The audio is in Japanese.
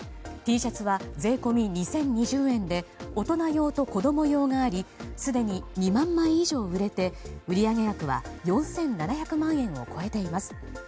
Ｔシャツは税込み２０２０円で大人用と子供用がありすでに２万枚以上売れて売上額は４７００万円を超えています。